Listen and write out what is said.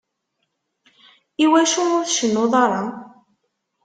Iwacu ur tcennuḍ ara?